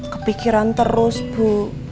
kepikiran terus bu